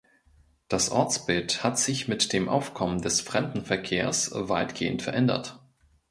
Das Ortsbild hat sich mit dem Aufkommen des Fremdenverkehrs weitgehend verändert.